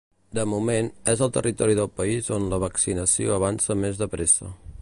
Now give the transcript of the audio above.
De moment, és el territori del país on la vaccinació avança més de pressa.